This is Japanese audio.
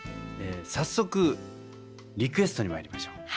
早速リクエストにまいりましょう。